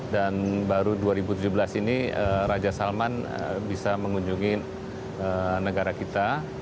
dan baru dua ribu tujuh belas ini raja salman bisa mengunjungi negara kita